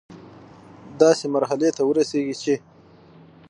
داسي مرحلې ته ورسيږي چي